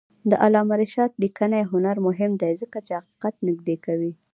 د علامه رشاد لیکنی هنر مهم دی ځکه چې حقیقت نږدې کوي.